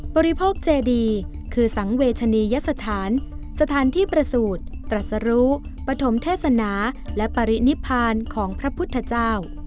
บริโภคเจดีคือสังเวชนียสถานสถานที่ประสูจน์ตรัสรู้ปฐมเทศนาและปรินิพานของพระพุทธเจ้า